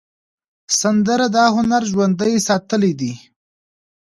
سندره د هنر ژوندي ساتل دي